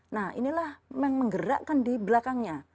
nah inilah yang menggerakkan di belakangnya